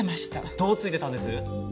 どうついてたんです？